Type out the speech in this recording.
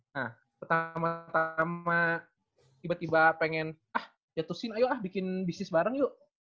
nah pertama tama tiba tiba pengen ah jatuh sini ayo ah bikin bisnis bareng yuk